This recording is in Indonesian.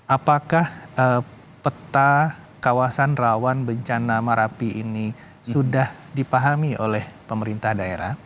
apakah peta kawasan rawan bencana marapi ini sudah dipahami oleh pemerintah daerah